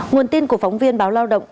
nguồn tin của phóng viên báo lao động